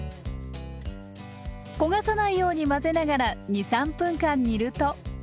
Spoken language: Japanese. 焦がさないように混ぜながら２３分間煮ると。